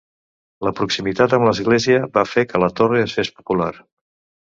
La proximitat amb l'església va fer que la torre es fes popular.